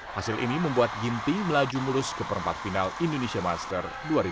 hasil ini membuat ginting melaju mulus ke perempat final indonesia master dua ribu dua puluh